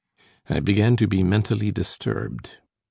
"I began to be mentally disturbed.